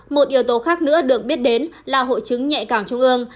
một yếu tố khác nữa được biết đến là hội chứng nhẹ cảm trung ương